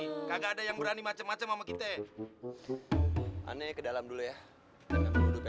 enggak ada yang berani macam macam sama kita aneh ke dalam dulu ya assalamualaikum